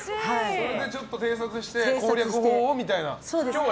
それで偵察して攻略法をみたいな。